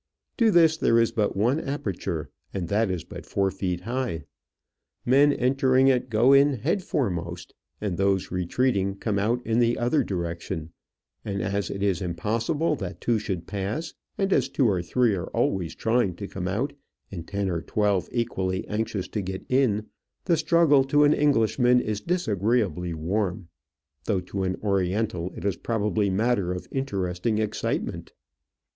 To this there is but one aperture, and that is but four feet high; men entering it go in head foremost, and those retreating come out in the other direction; and as it is impossible that two should pass, and as two or three are always trying to come out, and ten or twelve equally anxious to get in, the struggle to an Englishman is disagreeably warm, though to an Oriental it is probably matter of interesting excitement.